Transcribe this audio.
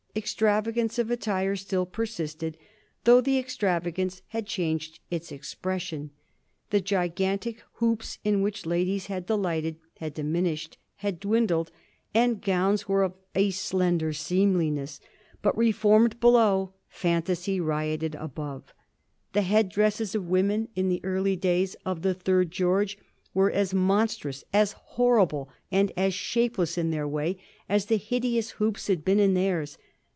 Extravagance of attire still persisted, though the extravagance had changed its expression. The gigantic hoops in which ladies had delighted had diminished, had dwindled, and gowns were of a slender seemliness. But reformed below, fantasy rioted above. The headdresses of women in the early days of the third George were as monstrous, as horrible, and as shapeless in their way as the hideous hoops had been in theirs.